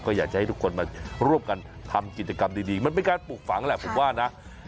ก็อยากจะให้ทุกคนมาร่วมกันทำกิจกรรมดีมันเป็นการปลูกฝังแหละผมว่านะ